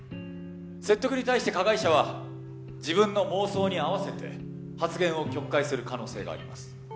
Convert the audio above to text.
説得に対して加害者は自分の妄想に合わせて発言を曲解する可能性があります。